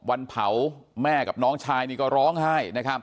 วันผัวแม่กับน้องชายนี่ก็ร้องไห้